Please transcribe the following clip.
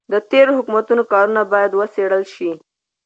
د تېرو حکومتونو کارونه باید وڅیړل شي.